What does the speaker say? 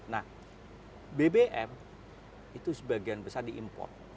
nah bbm itu sebagian besar diimport